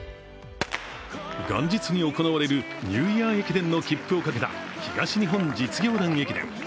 元日に行われるニューイヤー駅伝の切符を懸けた東日本実業団駅伝。